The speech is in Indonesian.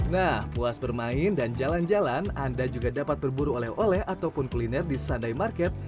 nah puas bermain dan jalan jalan anda juga dapat berburu oleh oleh ataupun kuliner di sunday market